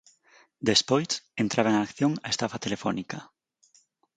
Despois, entraba en acción a estafa telefónica.